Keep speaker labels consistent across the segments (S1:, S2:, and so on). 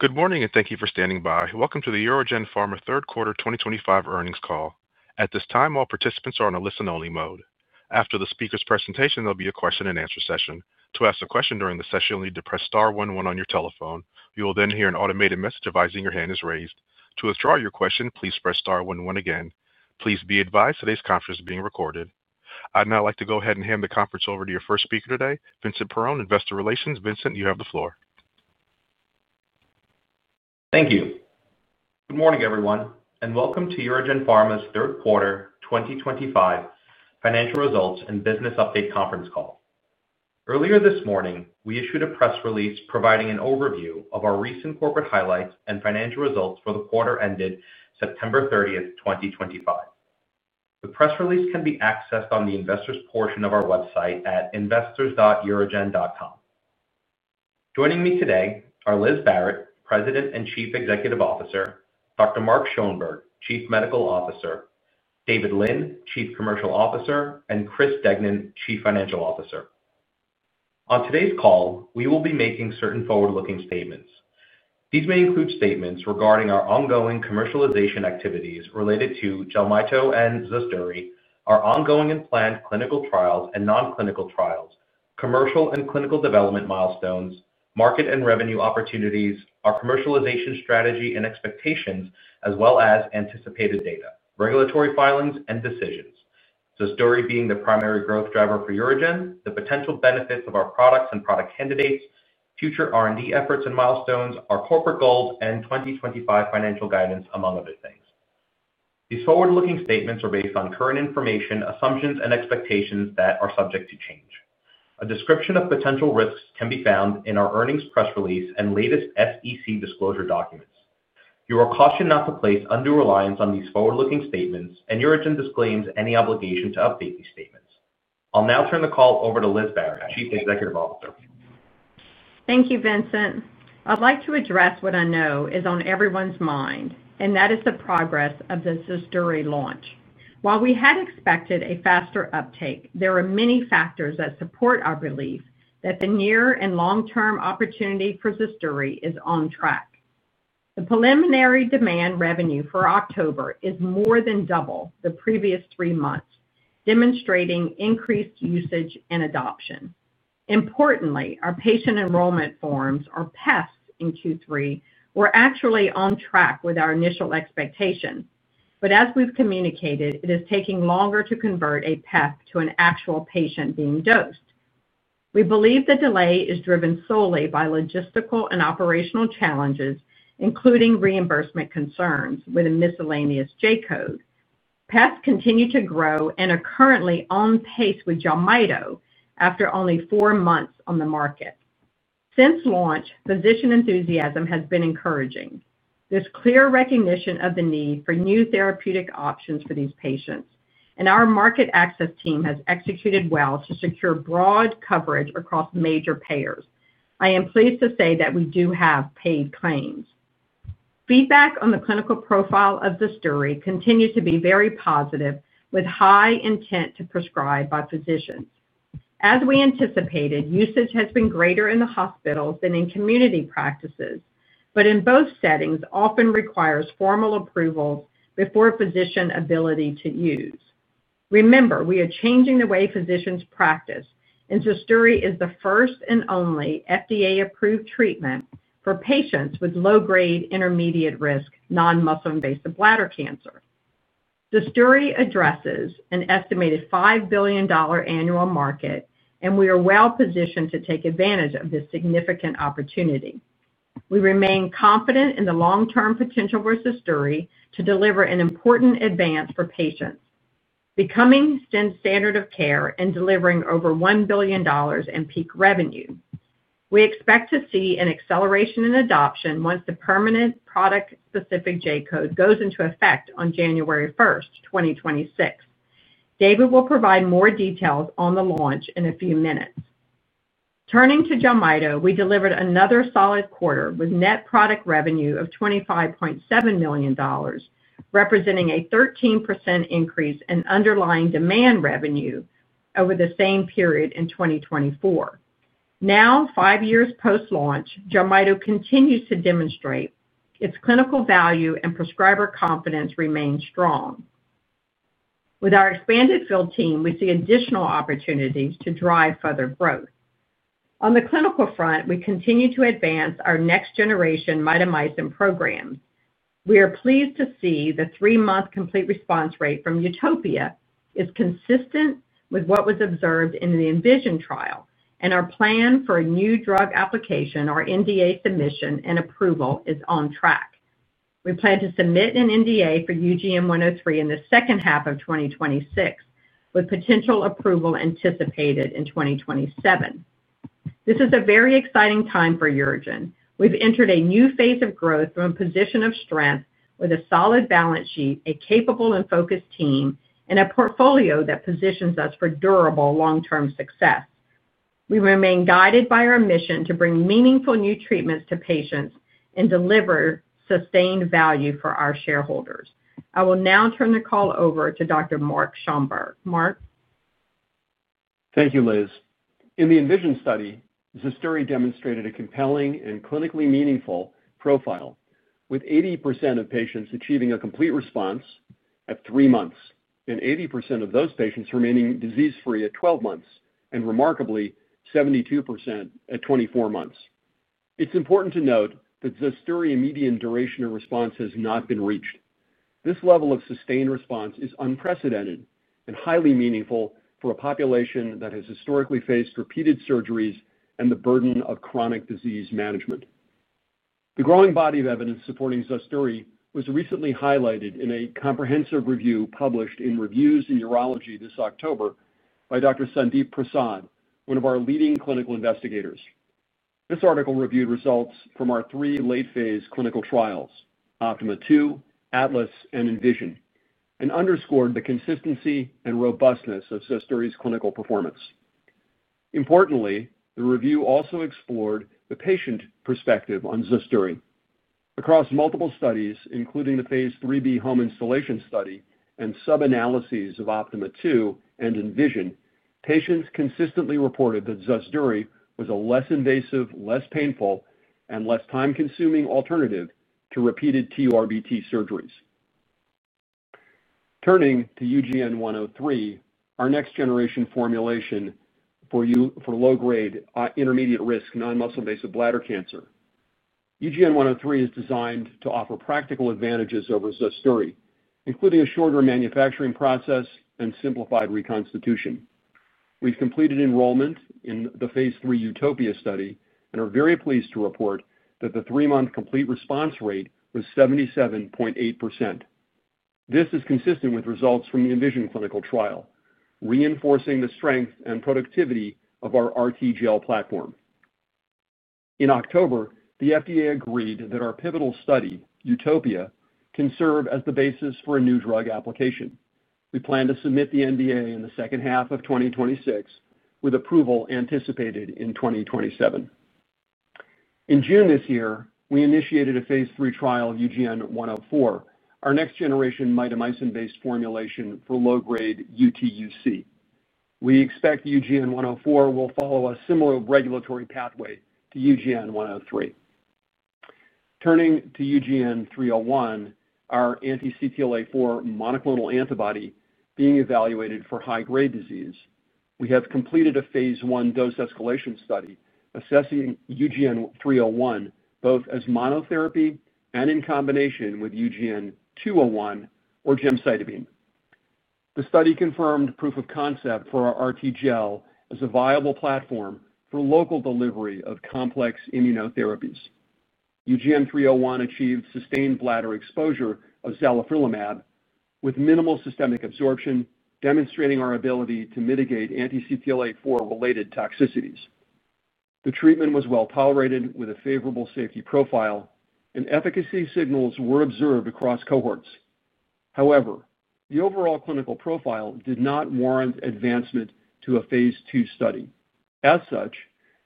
S1: Good morning and thank you for standing by. Welcome to the UroGen Pharma third quarter 2025 earnings call. At this time, all participants are on a listen-only mode. After the speaker's presentation, there will be a question-and-answer session. To ask a question during the session, you will need to press star one one on your telephone. You will then hear an automated message advising your hand is raised. To withdraw your question, please press star one one again. Please be advised today's conference is being recorded. I would now like to go ahead and hand the conference over to your first speaker today, Vincent Perrone, Investor Relations. Vincent, you have the floor.
S2: Thank you. Good morning, everyone, and welcome to UroGen Pharma's third quarter 2025 financial results and business update conference call. Earlier this morning, we issued a press release providing an overview of our recent corporate highlights and financial results for the quarter ended September 30, 2025. The press release can be accessed on the investors' portion of our website at investors.urogen.com. Joining me today are Liz Barrett, President and Chief Executive Officer; Dr. Mark Schoenberg, Chief Medical Officer; David Lin, Chief Commercial Officer; and Chris Degnan, Chief Financial Officer. On today's call, we will be making certain forward-looking statements. These may include statements regarding our ongoing commercialization activities related to JELMYTO and ZUSDURI, our ongoing and planned clinical trials and non-clinical trials, commercial and clinical development milestones, market and revenue opportunities, our commercialization strategy and expectations, as well as anticipated data, regulatory filings, and decisions. ZUSDURI being the primary growth driver for UroGen, the potential benefits of our products and product candidates, future R&D efforts and milestones, our corporate goals, and 2025 financial guidance, among other things. These forward-looking statements are based on current information, assumptions, and expectations that are subject to change. A description of potential risks can be found in our earnings press release and latest SEC disclosure documents. You are cautioned not to place undue reliance on these forward-looking statements, and UroGen disclaims any obligation to update these statements. I'll now turn the call over to Liz Barrett, Chief Executive Officer.
S3: Thank you, Vincent. I'd like to address what I know is on everyone's mind, and that is the progress of the ZUSDURI launch. While we had expected a faster uptake, there are many factors that support our belief that the near and long-term opportunity for ZUSDURI is on track. The preliminary demand revenue for October is more than double the previous three months, demonstrating increased usage and adoption. Importantly, our patient enrollment forms, or PEFs, in Q3 were actually on track with our initial expectations, but as we've communicated, it is taking longer to convert a PEF to an actual patient being dosed. We believe the delay is driven solely by logistical and operational challenges, including reimbursement concerns with a miscellaneous J code. PEFs continue to grow and are currently on pace with JELMYTO after only four months on the market. Since launch, physician enthusiasm has been encouraging. There's clear recognition of the need for new therapeutic options for these patients, and our market access team has executed well to secure broad coverage across major payers. I am pleased to say that we do have paid claims. Feedback on the clinical profile of ZUSDURI continues to be very positive, with high intent to prescribe by physicians. As we anticipated, usage has been greater in the hospitals than in community practices, but in both settings often requires formal approvals before physician ability to use. Remember, we are changing the way physicians practice, and ZUSDURI is the first and only FDA-approved treatment for patients with low-grade intermediate-risk non-muscle-invasive bladder cancer. ZUSDURI addresses an estimated $5 billion annual market, and we are well-positioned to take advantage of this significant opportunity. We remain confident in the long-term potential for ZUSDURI to deliver an important advance for patients, becoming a standard of care and delivering over $1 billion in peak revenue. We expect to see an acceleration in adoption once the permanent product-specific J code goes into effect on January 1st, 2026. David will provide more details on the launch in a few minutes. Turning to JELMYTO, we delivered another solid quarter with net product revenue of $25.7 million, representing a 13% increase in underlying demand revenue over the same period in 2024. Now, five years post-launch, JELMYTO continues to demonstrate its clinical value and prescriber confidence remain strong. With our expanded field team, we see additional opportunities to drive further growth. On the clinical front, we continue to advance our next-generation mitomycin programs. We are pleased to see the three-month complete response rate from UTOPIA is consistent with what was observed in the ENVISION trial, and our plan for a new drug application, our NDA submission and approval, is on track. We plan to submit an NDA for UGN-103 in the second half of 2026, with potential approval anticipated in 2027. This is a very exciting time for UroGen. We've entered a new phase of growth from a position of strength with a solid balance sheet, a capable and focused team, and a portfolio that positions us for durable long-term success. We remain guided by our mission to bring meaningful new treatments to patients and deliver sustained value for our shareholders. I will now turn the call over to Dr. Mark Schoenberg. Mark.
S4: Thank you, Liz. In the ENVISION study, ZUSDURI demonstrated a compelling and clinically meaningful profile, with 80% of patients achieving a complete response at three months and 80% of those patients remaining disease-free at 12 months and, remarkably, 72% at 24 months. It's important to note that ZUSDURI's median duration of response has not been reached. This level of sustained response is unprecedented and highly meaningful for a population that has historically faced repeated surgeries and the burden of chronic disease management. The growing body of evidence supporting ZUSDURI was recently highlighted in a comprehensive review published in Reviews in Urology this October by Dr. Sandeep Prasad, one of our leading clinical investigators. This article reviewed results from our three late-phase clinical trials, OPTIMA II, ATLAS, and ENVISION, and underscored the consistency and robustness of ZUSDURI's clinical performance. Importantly, the review also explored the patient perspective on ZUSDURI. Across multiple studies, including the phase 3B home installation study and sub-analyses of OPTIMA II and ENVISION, patients consistently reported that ZUSDURI was a less invasive, less painful, and less time-consuming alternative to repeated TURBT surgeries. Turning to UGN-103, our next-generation formulation for low-grade, intermediate-risk non-muscle-invasive bladder cancer. UGN-103 is designed to offer practical advantages over ZUSDURI, including a shorter manufacturing process and simplified reconstitution. We've completed enrollment in the phase 3 UTOPIA study and are very pleased to report that the three-month complete response rate was 77.8%. This is consistent with results from the ENVISION clinical trial, reinforcing the strength and productivity of our RT gel platform. In October, the FDA agreed that our pivotal study, UTOPIA, can serve as the basis for a new drug application. We plan to submit the NDA in the second half of 2026, with approval anticipated in 2027. In June this year, we initiated a phase 3 trial of UGN-104, our next-generation mitomycin-based formulation for low-grade UTUC. We expect UGN-104 will follow a similar regulatory pathway to UGN-103. Turning to UGN-301, our anti-CTLA4 monoclonal antibody being evaluated for high-grade disease. We have completed a phase 1 dose escalation study assessing UGN-301 both as monotherapy and in combination with UGN-201 or gemcitabine. The study confirmed proof of concept for our RT gel as a viable platform for local delivery of complex immunotherapies. UGN-301 achieved sustained bladder exposure of zalafrillimab with minimal systemic absorption, demonstrating our ability to mitigate anti-CTLA4-related toxicities. The treatment was well tolerated with a favorable safety profile, and efficacy signals were observed across cohorts. However, the overall clinical profile did not warrant advancement to a phase 2 study. As such,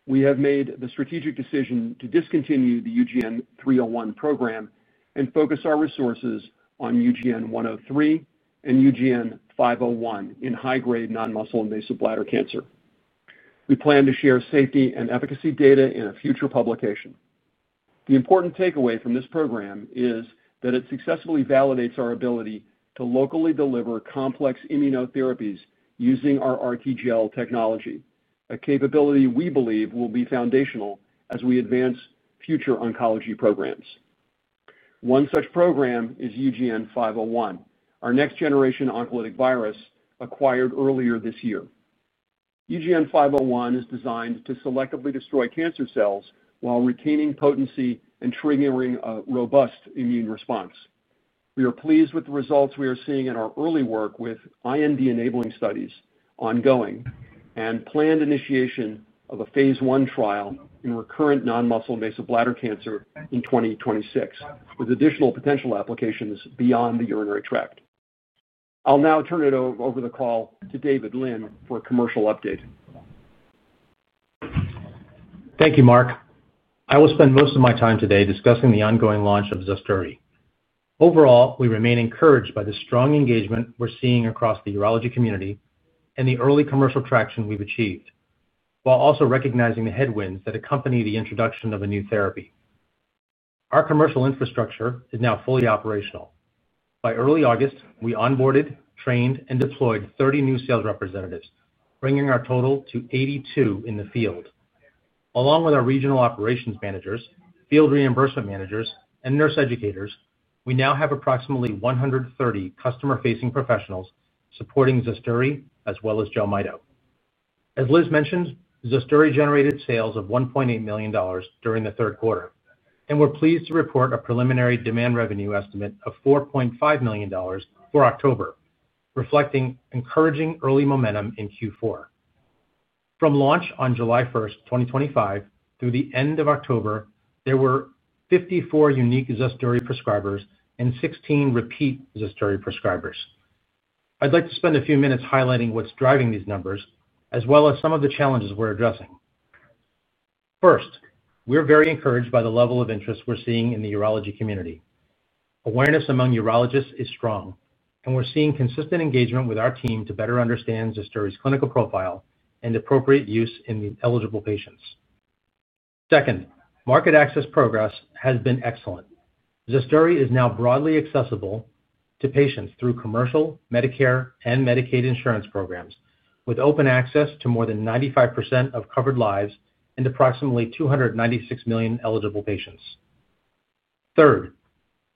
S4: we have made the strategic decision to discontinue the UGN-301 program and focus our resources on UGN-103 and UGN-501 in high-grade non-muscle-invasive bladder cancer. We plan to share safety and efficacy data in a future publication. The important takeaway from this program is that it successfully validates our ability to locally deliver complex immunotherapies using our RT gel technology, a capability we believe will be foundational as we advance future oncology programs. One such program is UGN-501, our next-generation oncolytic virus acquired earlier this year. UGN-501 is designed to selectively destroy cancer cells while retaining potency and triggering a robust immune response. We are pleased with the results we are seeing in our early work with IND-enabling studies ongoing and planned initiation of a phase 1 trial in recurrent non-muscle-invasive bladder cancer in 2026, with additional potential applications beyond the urinary tract. I'll now turn it over the call to David Lin for a commercial update.
S5: Thank you, Mark. I will spend most of my time today discussing the ongoing launch of ZUSDURI. Overall, we remain encouraged by the strong engagement we're seeing across the urology community and the early commercial traction we've achieved, while also recognizing the headwinds that accompany the introduction of a new therapy. Our commercial infrastructure is now fully operational. By early August, we onboarded, trained, and deployed 30 new sales representatives, bringing our total to 82 in the field. Along with our regional operations managers, field reimbursement managers, and nurse educators, we now have approximately 130 customer-facing professionals supporting ZUSDURI as well as JELMYTO. As Liz mentioned, ZUSDURI generated sales of $1.8 million during the third quarter, and we're pleased to report a preliminary demand revenue estimate of $4.5 million for October, reflecting encouraging early momentum in Q4. From launch on July 1, 2025, through the end of October, there were 54 unique ZUSDURI prescribers and 16 repeat ZUSDURI prescribers. I'd like to spend a few minutes highlighting what's driving these numbers, as well as some of the challenges we're addressing. First, we're very encouraged by the level of interest we're seeing in the urology community. Awareness among urologists is strong, and we're seeing consistent engagement with our team to better understand ZUSDURI's clinical profile and appropriate use in the eligible patients. Second, market access progress has been excellent. ZUSDURI is now broadly accessible to patients through commercial, Medicare, and Medicaid insurance programs, with open access to more than 95% of covered lives and approximately 296 million eligible patients. Third,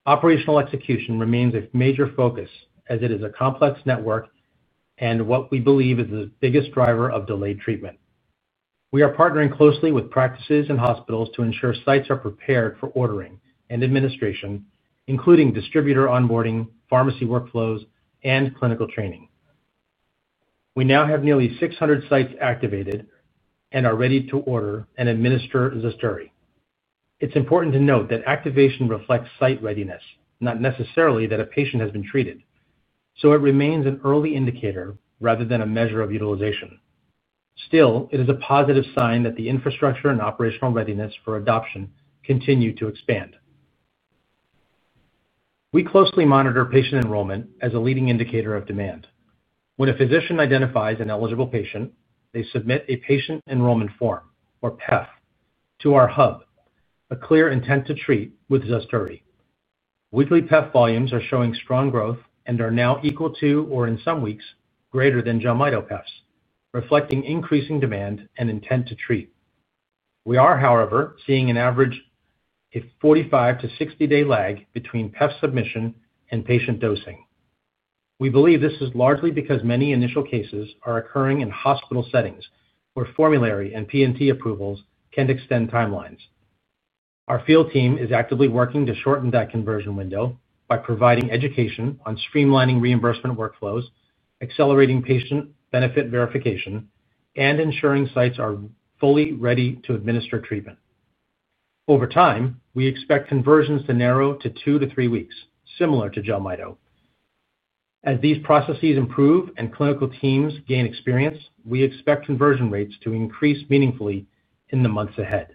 S5: operational execution remains a major focus as it is a complex network and what we believe is the biggest driver of delayed treatment. We are partnering closely with practices and hospitals to ensure sites are prepared for ordering and administration, including distributor onboarding, pharmacy workflows, and clinical training. We now have nearly 600 sites activated and are ready to order and administer ZUSDURI. It's important to note that activation reflects site readiness, not necessarily that a patient has been treated, so it remains an early indicator rather than a measure of utilization. Still, it is a positive sign that the infrastructure and operational readiness for adoption continue to expand. We closely monitor patient enrollment as a leading indicator of demand. When a physician identifies an eligible patient, they submit a patient enrollment form, or PEF, to our hub, a clear intent to treat with ZUSDURI. Weekly PEF volumes are showing strong growth and are now equal to, or in some weeks, greater than JELMYTO PEFs, reflecting increasing demand and intent to treat. We are, however, seeing an average of 45-60 day lag between PEF submission and patient dosing. We believe this is largely because many initial cases are occurring in hospital settings where formulary and P&T approvals can extend timelines. Our field team is actively working to shorten that conversion window by providing education on streamlining reimbursement workflows, accelerating patient benefit verification, and ensuring sites are fully ready to administer treatment. Over time, we expect conversions to narrow to two to three weeks, similar to JELMYTO. As these processes improve and clinical teams gain experience, we expect conversion rates to increase meaningfully in the months ahead.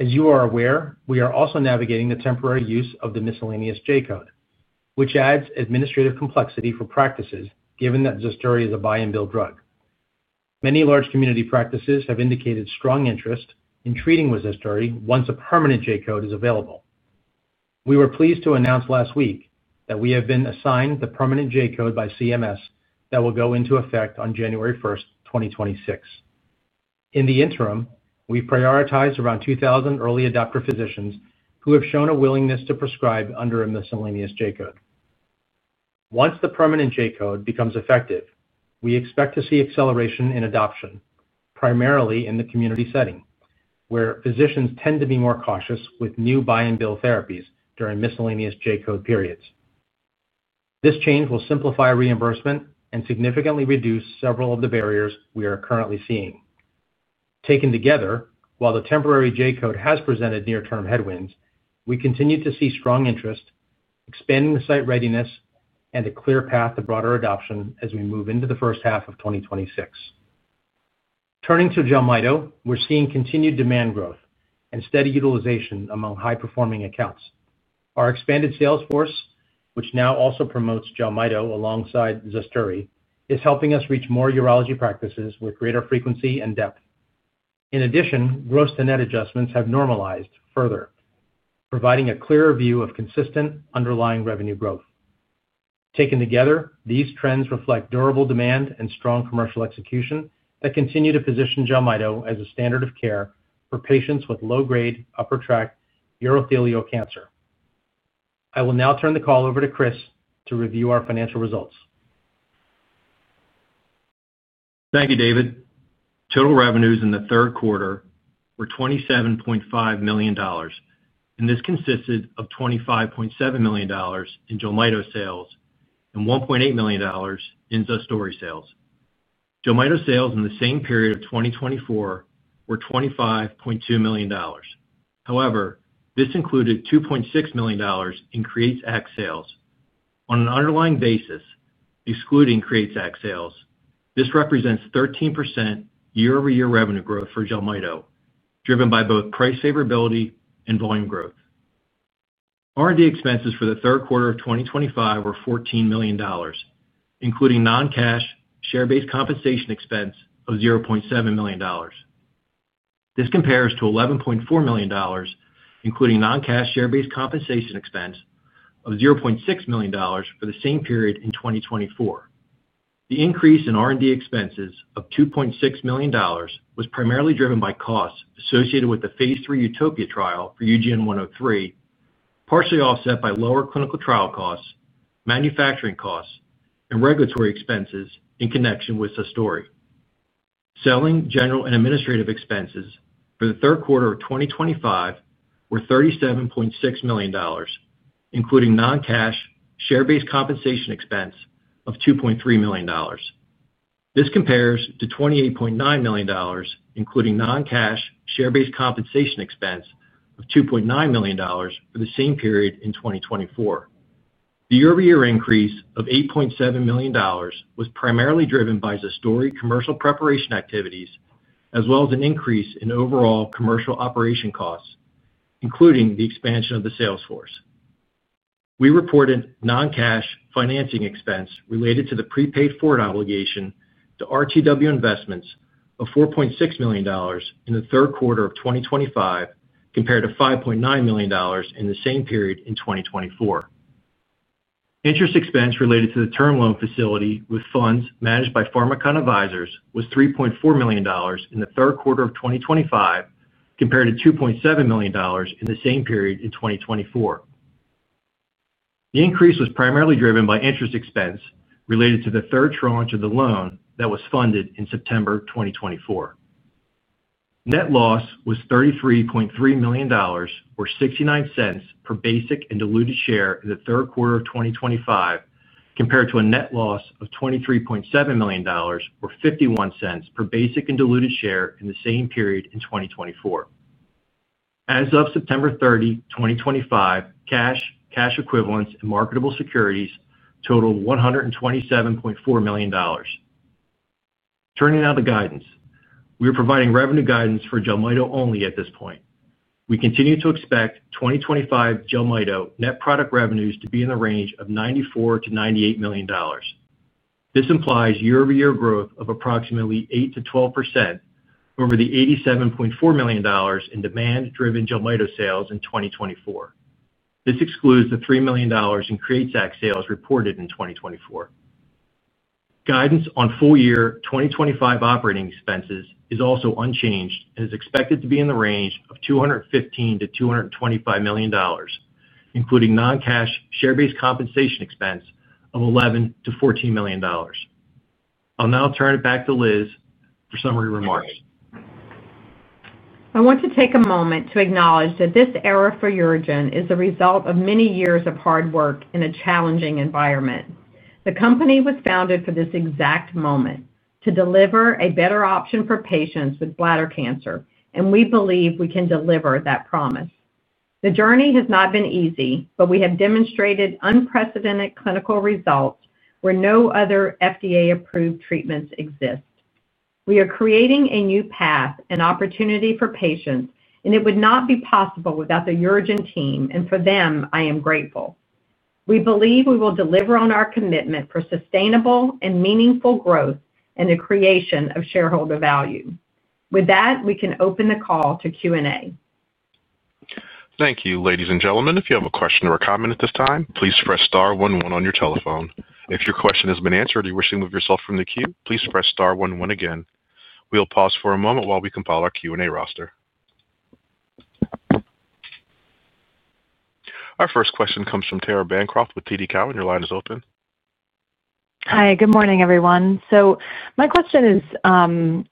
S5: As you are aware, we are also navigating the temporary use of the miscellaneous J code, which adds administrative complexity for practices, given that ZUSDURI is a buy-and-bill drug. Many large community practices have indicated strong interest in treating with ZUSDURI once a permanent J code is available. We were pleased to announce last week that we have been assigned the permanent J code by CMS that will go into effect on January 1st, 2026. In the interim, we've prioritized around 2,000 early adopter physicians who have shown a willingness to prescribe under a miscellaneous J code. Once the permanent J code becomes effective, we expect to see acceleration in adoption, primarily in the community setting, where physicians tend to be more cautious with new buy-and-bill therapies during miscellaneous J code periods. This change will simplify reimbursement and significantly reduce several of the barriers we are currently seeing. Taken together, while the temporary J code has presented near-term headwinds, we continue to see strong interest, expanding the site readiness, and a clear path to broader adoption as we move into the first half of 2026. Turning to JELMYTO, we're seeing continued demand growth and steady utilization among high-performing accounts. Our expanded sales force, which now also promotes JELMYTO alongside ZUSDURI, is helping us reach more urology practices with greater frequency and depth. In addition, gross to net adjustments have normalized further, providing a clearer view of consistent underlying revenue growth. Taken together, these trends reflect durable demand and strong commercial execution that continue to position JELMYTO as a standard of care for patients with low-grade, upper tract urothelial cancer. I will now turn the call over to Chris to review our financial results.
S6: Thank you, David. Total revenues in the third quarter were $27.5 million. This consisted of $25.7 million in JELMYTO sales and $1.8 million in ZUSDURI sales. JELMYTO sales in the same period of 2024 were $25.2 million. However, this included $2.6 million in CREATES Act sales. On an underlying basis, excluding CREATES Act sales, this represents 13% year-over-year revenue growth for JELMYTO, driven by both price favorability and volume growth. R&D expenses for the third quarter of 2025 were $14 million, including non-cash share-based compensation expense of $0.7 million. This compares to $11.4 million, including non-cash share-based compensation expense of $0.6 million for the same period in 2024. The increase in R&D expenses of $2.6 million was primarily driven by costs associated with the phase 3 UTOPIA trial for UGN-103, partially offset by lower clinical trial costs, manufacturing costs, and regulatory expenses in connection with ZUSDURI. Selling, general, and administrative expenses for the third quarter of 2025 were $37.6 million, including non-cash share-based compensation expense of $2.3 million. This compares to $28.9 million, including non-cash share-based compensation expense of $2.9 million for the same period in 2024. The year-over-year increase of $8.7 million was primarily driven by ZUSDURI commercial preparation activities, as well as an increase in overall commercial operation costs, including the expansion of the sales force. We reported non-cash financing expense related to the prepaid forward obligation to RTW Investments of $4.6 million in the third quarter of 2025, compared to $5.9 million in the same period in 2024. Interest expense related to the term loan facility with funds managed by Pharmakon Advisors was $3.4 million in the third quarter of 2025, compared to $2.7 million in the same period in 2024. The increase was primarily driven by interest expense related to the third tranche of the loan that was funded in September 2024. Net loss was $33.3 million, or $0.69 per basic and diluted share in the third quarter of 2025, compared to a net loss of $23.7 million, or $0.51 per basic and diluted share in the same period in 2024. As of September 30, 2025, cash, cash equivalents, and marketable securities totaled $127.4 million. Turning now to guidance. We are providing revenue guidance for JELMYTO only at this point. We continue to expect 2025 JELMYTO net product revenues to be in the range of $94 million-$98 million. This implies year-over-year growth of approximately 8%-12% over the $87.4 million in demand-driven JELMYTO sales in 2024. This excludes the $3 million in CREATES Act sales reported in 2024. Guidance on full-year 2025 operating expenses is also unchanged and is expected to be in the range of $215 million-$225 million, including non-cash share-based compensation expense of $11 million-$14 million. I'll now turn it back to Liz for summary remarks.
S3: I want to take a moment to acknowledge that this era for UroGen is the result of many years of hard work in a challenging environment. The company was founded for this exact moment to deliver a better option for patients with bladder cancer, and we believe we can deliver that promise. The journey has not been easy, but we have demonstrated unprecedented clinical results where no other FDA-approved treatments exist. We are creating a new path and opportunity for patients, and it would not be possible without the UroGen team, and for them, I am grateful. We believe we will deliver on our commitment for sustainable and meaningful growth and the creation of shareholder value. With that, we can open the call to Q&A.
S1: Thank you, ladies and gentlemen. If you have a question or a comment at this time, please press star one one on your telephone. If your question has been answered or you wish to remove yourself from the queue, please press star one one again. We'll pause for a moment while we compile our Q&A roster. Our first question comes from Tara Bancroft with TD Cowen. Your line is open.
S7: Hi. Good morning, everyone. My question is, I'm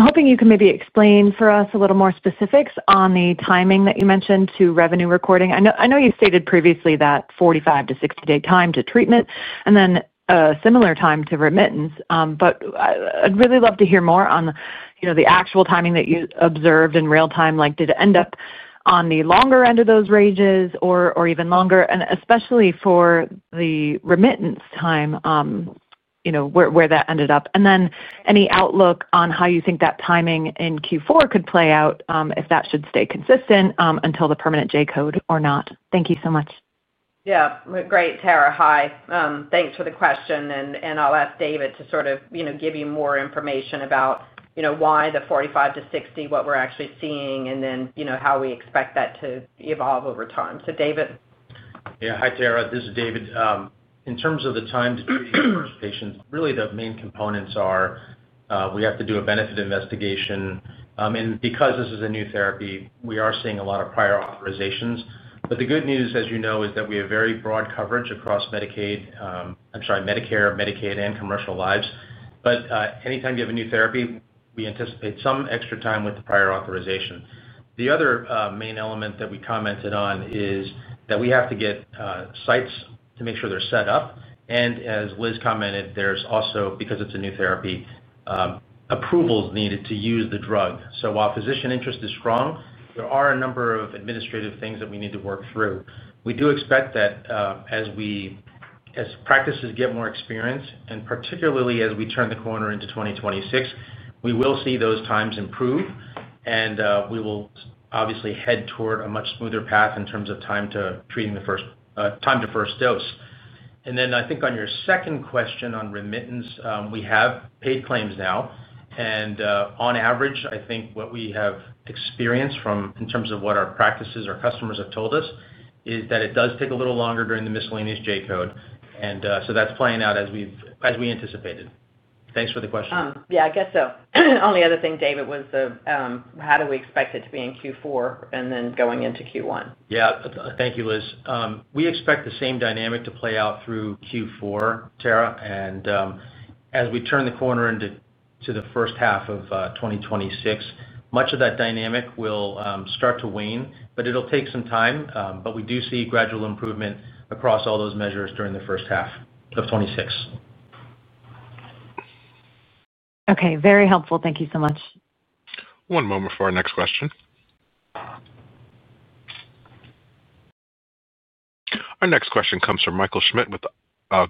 S7: hoping you can maybe explain for us a little more specifics on the timing that you mentioned to revenue recording. I know you stated previously that 45-60 day time to treatment and then a similar time to remittance, but I'd really love to hear more on the actual timing that you observed in real time. Did it end up on the longer end of those ranges or even longer, especially for the remittance time? Where that ended up? Any outlook on how you think that timing in Q4 could play out if that should stay consistent until the permanent J code or not? Thank you so much.
S3: Yeah. Great, Tara. Hi. Thanks for the question. I'll ask David to sort of give you more information about why the 45-60, what we're actually seeing, and then how we expect that to evolve over time. David.
S5: Yeah. Hi, Tara. This is David. In terms of the time to treat patients, really the main components are we have to do a benefit investigation. And because this is a new therapy, we are seeing a lot of prior authorizations. The good news, as you know, is that we have very broad coverage across Medicare, Medicaid, and commercial lives. Anytime you have a new therapy, we anticipate some extra time with the prior authorization. The other main element that we commented on is that we have to get sites to make sure they're set up. As Liz commented, there's also, because it's a new therapy, approvals needed to use the drug. While physician interest is strong, there are a number of administrative things that we need to work through. We do expect that as. Practices get more experience, and particularly as we turn the corner into 2026, we will see those times improve, and we will obviously head toward a much smoother path in terms of time to treating the first dose. I think on your second question on remittance, we have paid claims now. On average, I think what we have experienced in terms of what our practices, our customers have told us, is that it does take a little longer during the miscellaneous J code. That is playing out as we anticipated. Thanks for the question.
S3: Yeah, I guess so. Only other thing, David, was how do we expect it to be in Q4 and then going into Q1?
S5: Yeah. Thank you, Liz. We expect the same dynamic to play out through Q4, Tara. As we turn the corner into the first half of 2026, much of that dynamic will start to wane, but it'll take some time. We do see gradual improvement across all those measures during the first half of 2026.
S7: Okay. Very helpful. Thank you so much.
S1: One moment for our next question. Our next question comes from Michael Schmidt with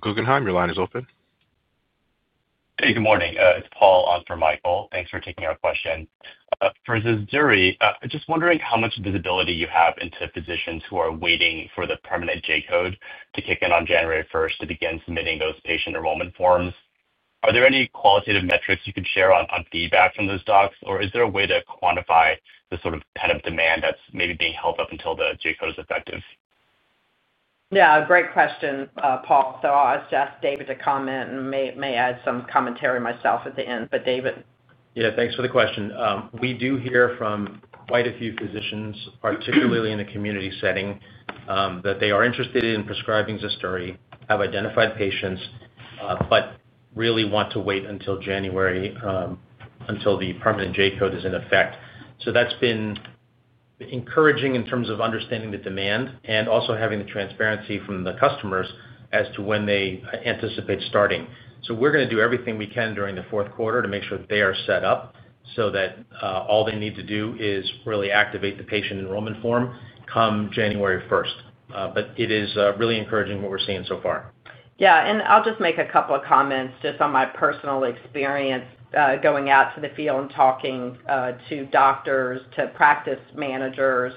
S1: Guggenheim. Your line is open.
S8: Hey, good morning. It's Paul on for Michael. Thanks for taking our question. For ZUSDURI, just wondering how much visibility you have into physicians who are waiting for the permanent J code to kick in on January 1st to begin submitting those patient enrollment forms. Are there any qualitative metrics you could share on feedback from those docs, or is there a way to quantify the sort of pent-up demand that's maybe being held up until the J code is effective?
S3: Yeah. Great question, Paul. I'll ask David to comment and may add some commentary myself at the end. David.
S5: Yeah. Thanks for the question. We do hear from quite a few physicians, particularly in the community setting, that they are interested in prescribing ZUSDURI, have identified patients, but really want to wait until January, until the permanent J code is in effect. That's been encouraging in terms of understanding the demand and also having the transparency from the customers as to when they anticipate starting. We are going to do everything we can during the fourth quarter to make sure that they are set up so that all they need to do is really activate the patient enrollment form come January 1. It is really encouraging what we're seeing so far.
S3: Yeah. I'll just make a couple of comments just on my personal experience going out to the field and talking to doctors, to practice managers.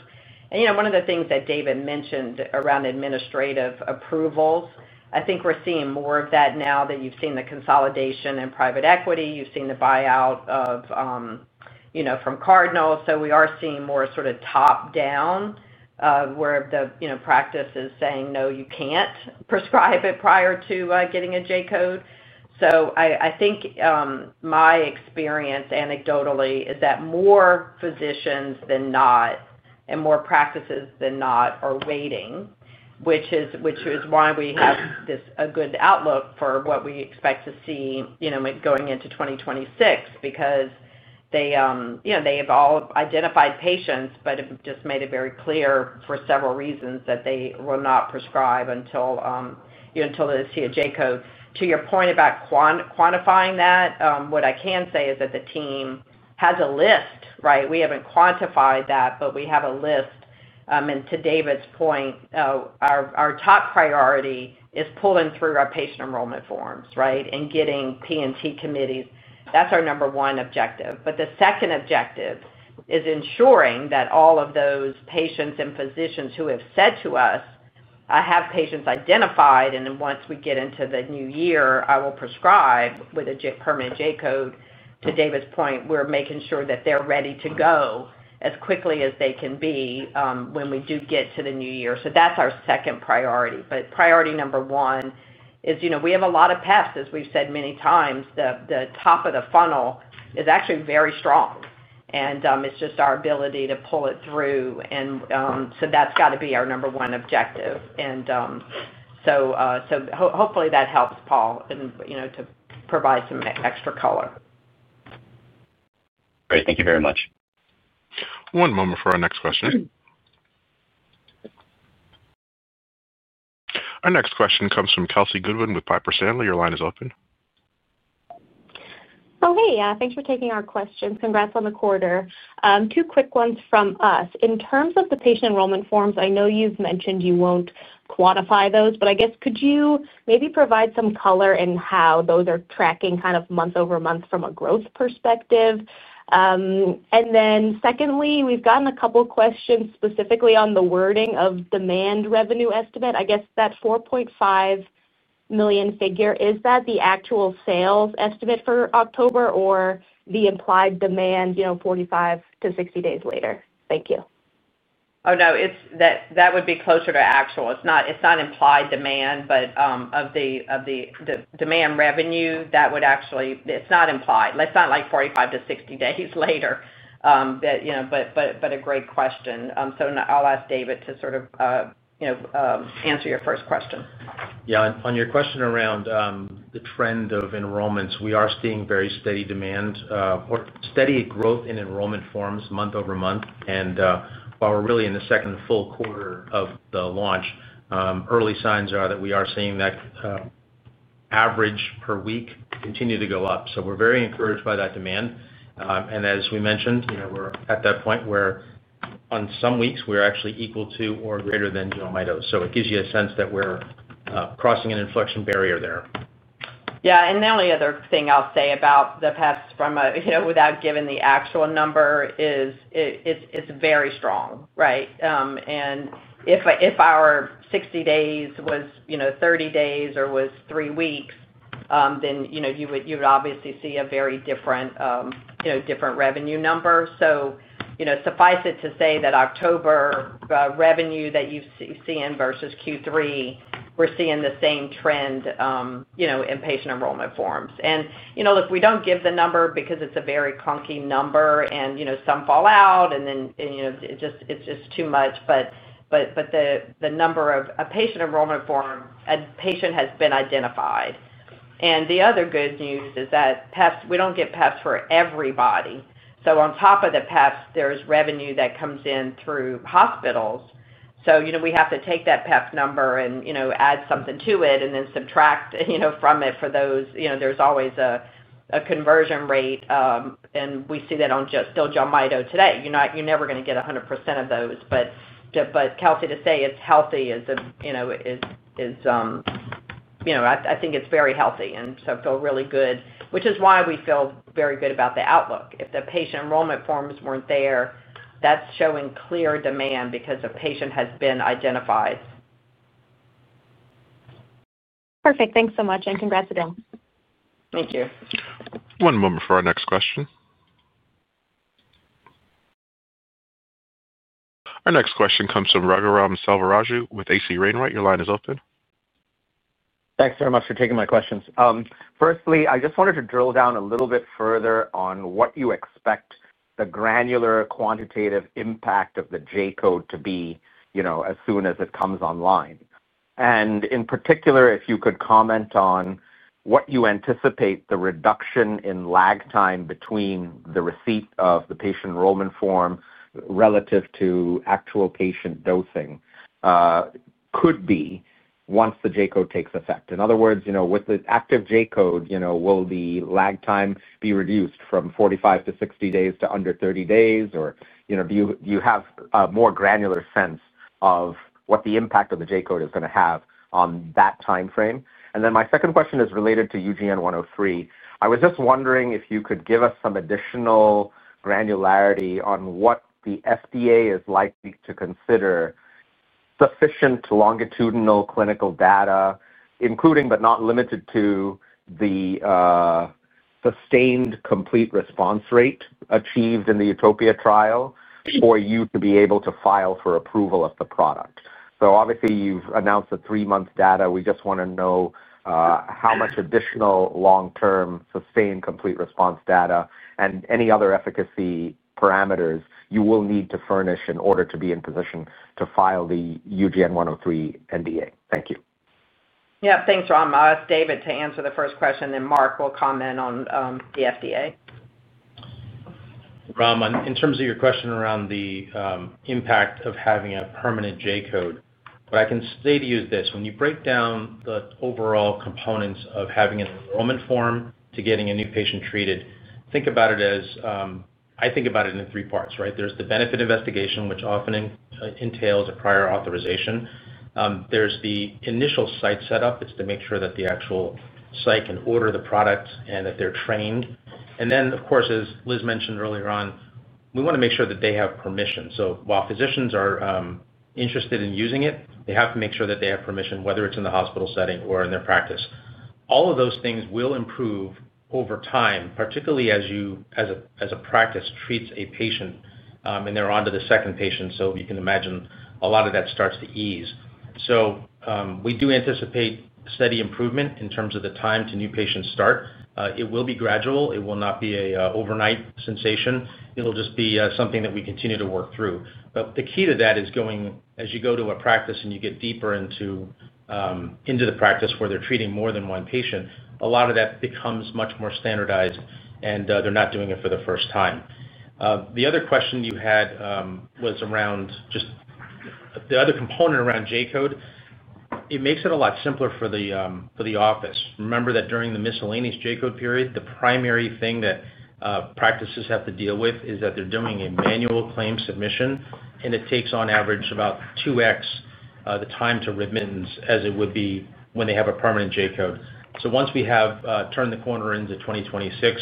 S3: One of the things that David mentioned around administrative approvals, I think we're seeing more of that now that you've seen the consolidation in private equity. You've seen the buyout from Cardinal. We are seeing more sort of top-down, where the practice is saying, "No, you can't prescribe it prior to getting a J code." I think my experience anecdotally is that more physicians than not and more practices than not are waiting, which is why we have a good outlook for what we expect to see going into 2026 because they have all identified patients, but have just made it very clear for several reasons that they will not prescribe until they see a J code. To your point about quantifying that, what I can say is that the team has a list, right? We haven't quantified that, but we have a list. To David's point, our top priority is pulling through our patient enrollment forms, right, and getting P&T committees. That's our number one objective. The second objective is ensuring that all of those patients and physicians who have said to us, "I have patients identified, and once we get into the new year, I will prescribe with a permanent J code." To David's point, we're making sure that they're ready to go as quickly as they can be when we do get to the new year. That's our second priority. Priority number one is we have a lot of PEFs, as we've said many times. The top of the funnel is actually very strong, and it is just our ability to pull it through. That has got to be our number one objective. Hopefully that helps, Paul, to provide some extra color.
S8: Great. Thank you very much.
S1: One moment for our next question. Our next question comes from Kelsey Goodwin with Piper Sandler. Your line is open.
S9: Oh, hey. Thanks for taking our questions. Congrats on the quarter. Two quick ones from us. In terms of the patient enrollment forms, I know you've mentioned you won't quantify those, but I guess could you maybe provide some color in how those are tracking kind of month over month from a growth perspective? Secondly, we've gotten a couple of questions specifically on the wording of demand revenue estimate. I guess that $4.5 million figure, is that the actual sales estimate for October or the implied demand 45-60 days later? Thank you.
S3: Oh, no. That would be closer to actual. It's not implied demand, but of the demand revenue, that would actually—it's not implied. It's not like 45-60 days later. A great question. I'll ask David to sort of answer your first question.
S5: Yeah. On your question around the trend of enrollments, we are seeing very steady demand or steady growth in enrollment forms month over month. While we're really in the second full quarter of the launch, early signs are that we are seeing that. Average per week continue to go up. We are very encouraged by that demand. As we mentioned, we're at that point where on some weeks, we're actually equal to or greater than JELMYTO. It gives you a sense that we're crossing an inflection barrier there.
S3: Yeah. The only other thing I'll say about the PEFs without giving the actual number is, it's very strong, right? If our 60 days was 30 days or was three weeks, then you would obviously see a very different revenue number. Suffice it to say that October revenue that you've seen versus Q3, we're seeing the same trend in patient enrollment forms. Look, we don't give the number because it's a very clunky number, and some fall out, and then it's just too much. The number of a patient enrollment form, a patient has been identified. The other good news is that PEFs, we don't get PEFs for everybody. On top of the PEFs, there's revenue that comes in through hospitals. We have to take that PEF number and add something to it and then subtract from it for those. There's always a conversion rate. We see that on just still JELMYTO today. You're never going to get 100% of those. Kelsey, to say it's healthy is, I think it's very healthy and so feel really good, which is why we feel very good about the outlook. If the patient enrollment forms weren't there, that's showing clear demand because a patient has been identified.
S9: Perfect. Thanks so much. Congrats again.
S3: Thank you.
S1: One moment for our next question. Our next question comes from Raghuram Selvaraju with H.C. Wainwright. Your line is open.
S10: Thanks very much for taking my questions. Firstly, I just wanted to drill down a little bit further on what you expect the granular quantitative impact of the J code to be as soon as it comes online. In particular, if you could comment on what you anticipate the reduction in lag time between the receipt of the patient enrollment form relative to actual patient dosing could be once the J code takes effect. In other words, with the active J code, will the lag time be reduced from 45-60 days to under 30 days, or do you have a more granular sense of what the impact of the J code is going to have on that timeframe? My second question is related to UGN-103. I was just wondering if you could give us some additional granularity on what the FDA is likely to consider. Sufficient longitudinal clinical data, including but not limited to the sustained complete response rate achieved in the UTOPIA trial for you to be able to file for approval of the product. Obviously, you've announced the three-month data. We just want to know how much additional long-term sustained complete response data and any other efficacy parameters you will need to furnish in order to be in position to file the UGN-103 NDA. Thank you.
S3: Yeah. Thanks, Ram. I'll ask David to answer the first question, and then Mark will comment on the FDA.
S5: Ram, in terms of your question around the impact of having a permanent J code, what I can say to you is this: when you break down the overall components of having an enrollment form to getting a new patient treated, think about it as—I think about it in three parts, right? There is the benefit investigation, which often entails a prior authorization. There is the initial site setup. It is to make sure that the actual site can order the product and that they are trained. And then, of course, as Liz mentioned earlier on, we want to make sure that they have permission. While physicians are interested in using it, they have to make sure that they have permission, whether it is in the hospital setting or in their practice. All of those things will improve over time, particularly as you—as a practice treats a patient, and they are onto the second patient. You can imagine a lot of that starts to ease. We do anticipate steady improvement in terms of the time to new patient start. It will be gradual. It will not be an overnight sensation. It'll just be something that we continue to work through. The key to that is, as you go to a practice and you get deeper into the practice where they're treating more than one patient, a lot of that becomes much more standardized, and they're not doing it for the first time. The other question you had was around just the other component around J code. It makes it a lot simpler for the office. Remember that during the miscellaneous J code period, the primary thing that practices have to deal with is that they're doing a manual claim submission, and it takes, on average, about 2X the time to remittance as it would be when they have a permanent J code. Once we have turned the corner into 2026,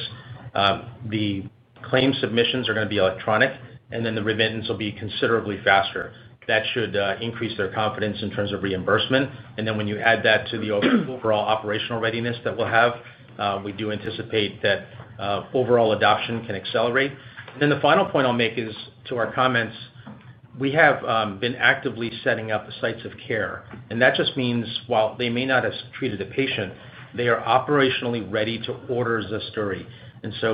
S5: the claim submissions are going to be electronic, and then the remittance will be considerably faster. That should increase their confidence in terms of reimbursement. When you add that to the overall operational readiness that we'll have, we do anticipate that overall adoption can accelerate. The final point I'll make is to our comments. We have been actively setting up sites of care, and that just means while they may not have treated a patient, they are operationally ready to order ZUSDURI.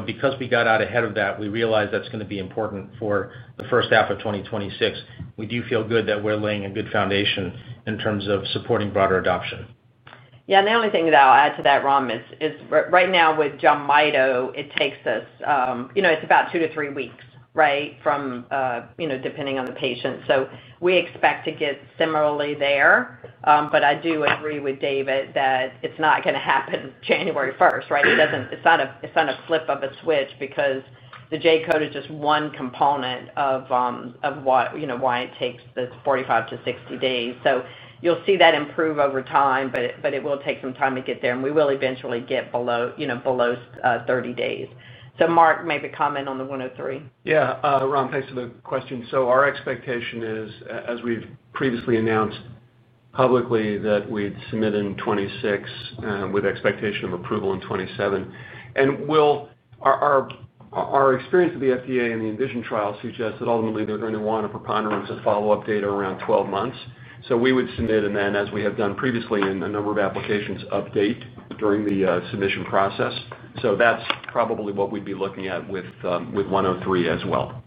S5: Because we got out ahead of that, we realized that's going to be important for the first half of 2026. We do feel good that we're laying a good foundation in terms of supporting broader adoption.
S3: Yeah. The only thing that I'll add to that, Ram, is right now with JELMYTO. It takes us—it's about two to three weeks, right, depending on the patient. We expect to get similarly there. I do agree with David that it's not going to happen January 1st, right? It's not a flip of a switch because the J code is just one component of why it takes the 45-60 days. You'll see that improve over time, but it will take some time to get there. We will eventually get below 30 days. Mark, maybe comment on the 103.
S5: Yeah. Ram, thanks for the question. Our expectation is, as we've previously announced publicly, that we'd submit in 2026 with expectation of approval in 2027. Our experience with the FDA and the ENVISION trial suggests that ultimately they're going to want a preponderance of follow-up data around 12 months. We would submit, and then, as we have done previously in a number of applications, update during the submission process. That's probably what we'd be looking at with 103 as well.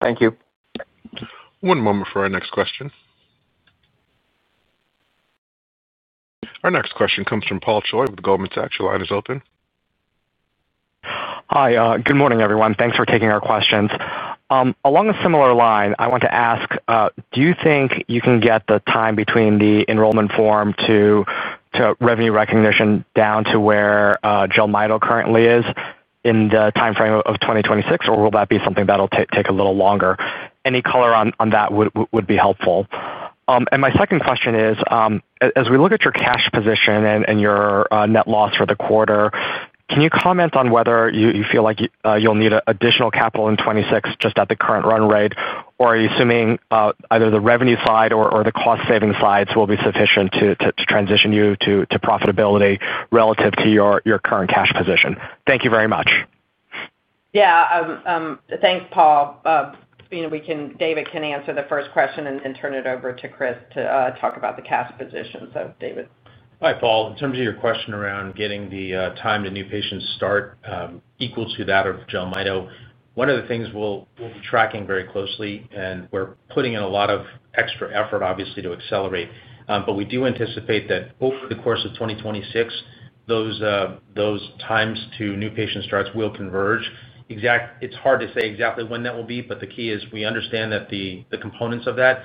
S10: Thank you.
S1: One moment for our next question. Our next question comes from Paul Choi with Goldman Sachs. Your line is open.
S11: Hi. Good morning, everyone. Thanks for taking our questions. Along a similar line, I want to ask, do you think you can get the time between the enrollment form to revenue recognition down to where JELMYTO currently is in the timeframe of 2026, or will that be something that'll take a little longer? Any color on that would be helpful. My second question is, as we look at your cash position and your net loss for the quarter, can you comment on whether you feel like you'll need additional capital in 2026 just at the current run rate, or are you assuming either the revenue side or the cost-saving sides will be sufficient to transition you to profitability relative to your current cash position? Thank you very much.
S3: Yeah. Thanks, Paul. David can answer the first question and then turn it over to Chris to talk about the cash position. So, David.
S5: Hi, Paul. In terms of your question around getting the time to new patient start equal to that of JELMYTO, one of the things we'll be tracking very closely, and we're putting in a lot of extra effort, obviously, to accelerate. We do anticipate that over the course of 2026, those times to new patient starts will converge. It's hard to say exactly when that will be, but the key is we understand the components of that.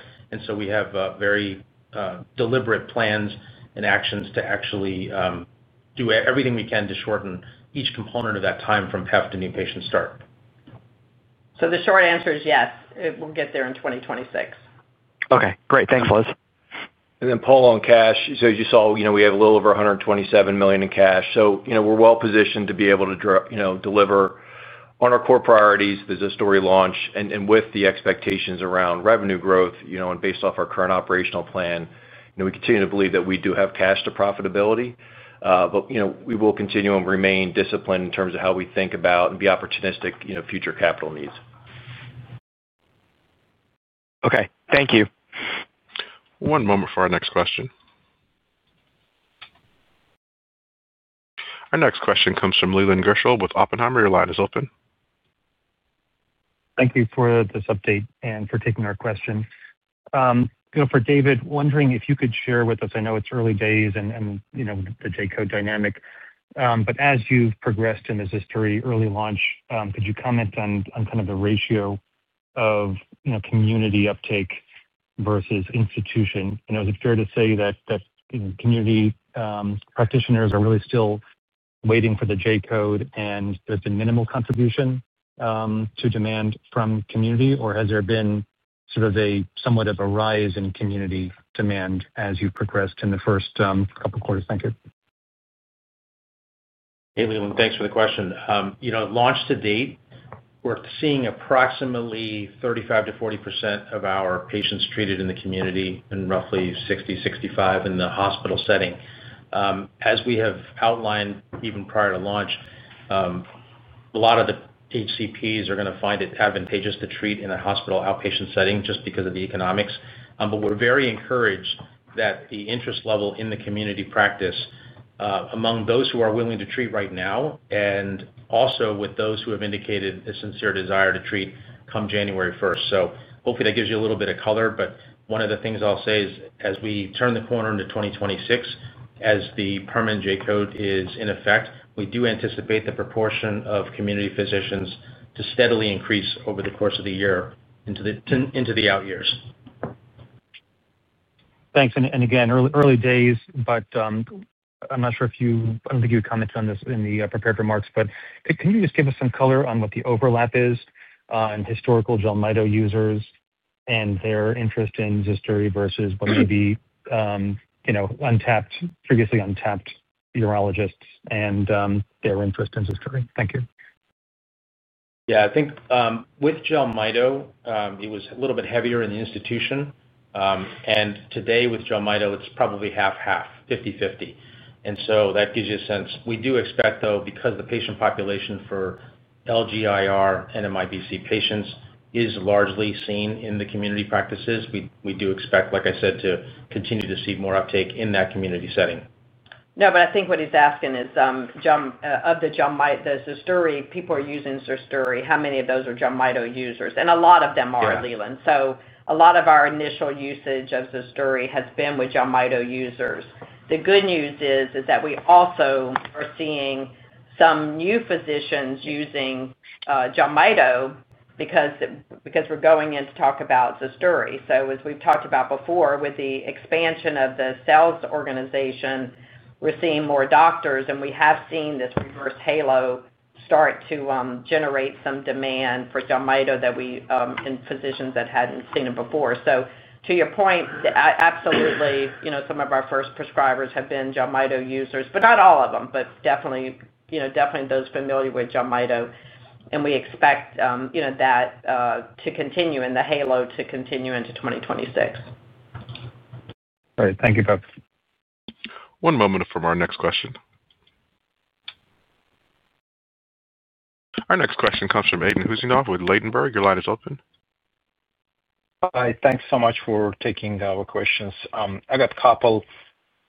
S5: We have very deliberate plans and actions to actually do everything we can to shorten each component of that time from PEF to new patient start.
S3: The short answer is yes. We'll get there in 2026.
S11: Okay. Great. Thanks, Liz.
S5: Paul, on cash. As you saw, we have a little over $127 million in cash. We are well-positioned to be able to deliver on our core priorities, the ZUSDURI launch, and with the expectations around revenue growth, and based off our current operational plan, we continue to believe that we do have cash to profitability. We will continue and remain disciplined in terms of how we think about and be opportunistic regarding future capital needs.
S11: Okay. Thank you.
S1: One moment for our next question. Our next question comes from Leland Gershell with Oppenheimer. Your line is open.
S12: Thank you for this update and for taking our question. For David, wondering if you could share with us—I know it's early days and the J code dynamic—but as you've progressed in the ZUSDURI early launch, could you comment on kind of the ratio of community uptake versus institution? Is it fair to say that community practitioners are really still waiting for the J code, and there's been minimal contribution to demand from community, or has there been sort of somewhat of a rise in community demand as you've progressed in the first couple of quarters? Thank you.
S5: Hey, Leland. Thanks for the question. Launch to date, we're seeing approximately 35%-40% of our patients treated in the community and roughly 60%, 65% in the hospital setting. As we have outlined even prior to launch, a lot of the HCPs are going to find it advantageous to treat in a hospital outpatient setting just because of the economics. We are very encouraged that the interest level in the community practice among those who are willing to treat right now and also with those who have indicated a sincere desire to treat come January 1st. Hopefully, that gives you a little bit of color. One of the things I'll say is, as we turn the corner into 2026, as the permanent J code is in effect, we do anticipate the proportion of community physicians to steadily increase over the course of the year into the out years.
S12: Thanks. Again, early days, but. I'm not sure if you—I don't think you would comment on this in the prepared remarks. Can you just give us some color on what the overlap is in historical JELMYTO users and their interest in ZUSDURI versus what may be untapped, previously untapped urologists and their interest in ZUSDURI? Thank you.
S5: Yeah. I think with JELMYTO, it was a little bit heavier in the institution. Today, with JELMYTO, it is probably half-half, 50/50. That gives you a sense. We do expect, though, because the patient population for LGIR and MIBC patients is largely seen in the community practices, we do expect, like I said, to continue to see more uptake in that community setting.
S3: No, but I think what he's asking is, of the ZUSDURI, people are using ZUSDURI. How many of those are JELMYTO users? A lot of them are, Leland. A lot of our initial usage of ZUSDURI has been with JELMYTO users. The good news is that we also are seeing some new physicians using JELMYTO because we are going in to talk about ZUSDURI. As we have talked about before, with the expansion of the sales organization, we are seeing more doctors, and we have seen this reverse halo start to generate some demand for JELMYTO in physicians that had not seen it before. To your point, absolutely, some of our first prescribers have been JELMYTO users, but not all of them. Definitely those familiar with JELMYTO, and we expect that to continue and the halo to continue into 2026.
S10: All right. Thank you, both.
S1: One moment for our next question. Our next question comes from Aydin Huseynov with Ladenburg. Your line is open.
S13: Hi. Thanks so much for taking our questions. I got a couple.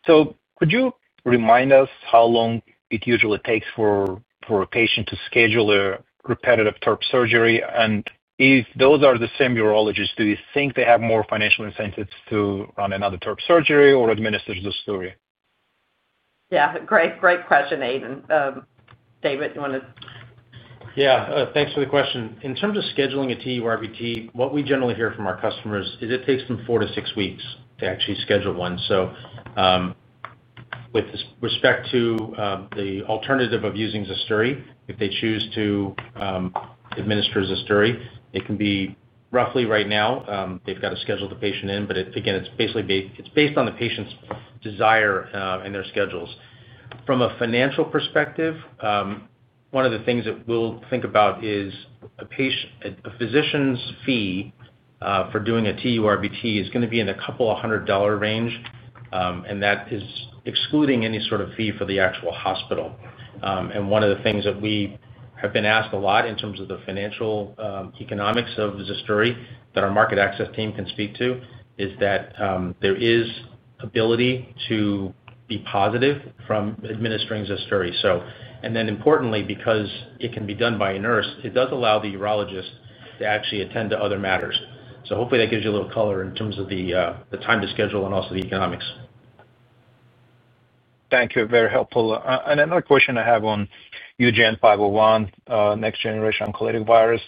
S13: Could you remind us how long it usually takes for a patient to schedule a repetitive TURBT surgery? If those are the same urologists, do you think they have more financial incentives to run another TURBT surgery or administer ZUSDURI?
S3: Yeah. Great question, Aydin. David, you want to?
S5: Yeah. Thanks for the question. In terms of scheduling a TURBT, what we generally hear from our customers is it takes them four to six weeks to actually schedule one. With respect to the alternative of using ZUSDURI, if they choose to administer ZUSDURI, it can be roughly right now. They've got to schedule the patient in. Again, it's basically based on the patient's desire and their schedules. From a financial perspective, one of the things that we'll think about is a physician's fee for doing a TURBT is going to be in the couple of hundred dollar range, and that is excluding any sort of fee for the actual hospital. One of the things that we have been asked a lot in terms of the financial economics of ZUSDURI that our market access team can speak to is that there is ability to be positive from administering ZUSDURI. Importantly, because it can be done by a nurse, it does allow the urologist to actually attend to other matters. Hopefully, that gives you a little color in terms of the time to schedule and also the economics.
S13: Thank you. Very helpful. Another question I have on UGN-501, next-generation oncolytic virus.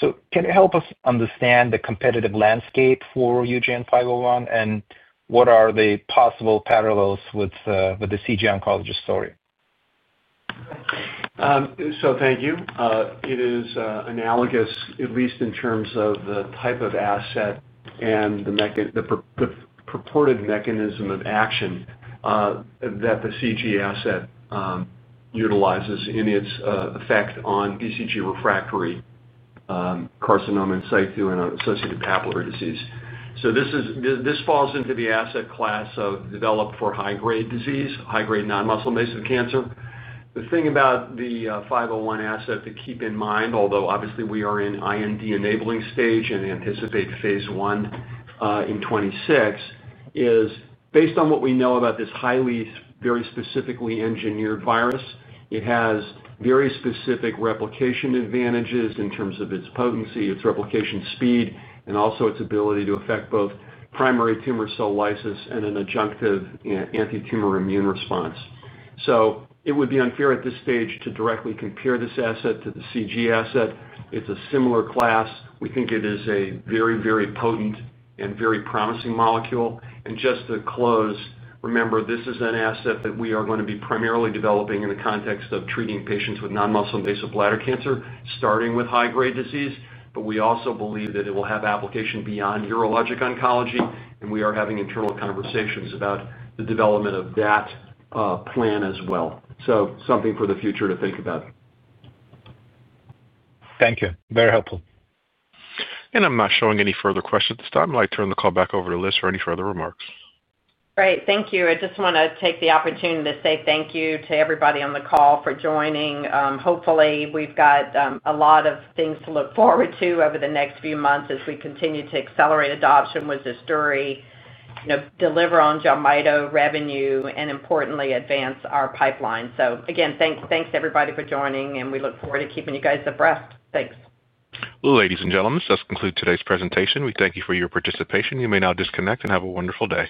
S13: Can you help us understand the competitive landscape for UGN-501, and what are the possible parallels with the CG oncologist story?
S5: Thank you. It is analogous, at least in terms of the type of asset and the purported mechanism of action that the CG asset utilizes in its effect on BCG refractory carcinoma in situ and associated papillary disease. This falls into the asset class of developed for high-grade disease, high-grade non-muscle-invasive cancer. The thing about the 501 asset to keep in mind, although obviously we are in IND enabling stage and anticipate phase one in 2026, is based on what we know about this highly, very specifically engineered virus, it has very specific replication advantages in terms of its potency, its replication speed, and also its ability to affect both primary tumor cell lysis and an adjunctive anti-tumor immune response. It would be unfair at this stage to directly compare this asset to the CG asset. It's a similar class. We think it is a very, very potent and very promising molecule. Just to close, remember, this is an asset that we are going to be primarily developing in the context of treating patients with non-muscle-invasive bladder cancer, starting with high-grade disease. We also believe that it will have application beyond urologic oncology, and we are having internal conversations about the development of that plan as well. Something for the future to think about.
S13: Thank you. Very helpful.
S1: I'm not showing any further questions at this time. I'd like to turn the call back over to Liz for any further remarks.
S3: Great. Thank you. I just want to take the opportunity to say thank you to everybody on the call for joining. Hopefully, we've got a lot of things to look forward to over the next few months as we continue to accelerate adoption with ZUSDURI, deliver on JELMYTO revenue, and importantly, advance our pipeline. Again, thanks to everybody for joining, and we look forward to keeping you guys abreast. Thanks.
S1: Ladies and gentlemen, this does conclude today's presentation. We thank you for your participation. You may now disconnect and have a wonderful day.